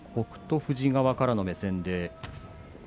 富士からの目線で。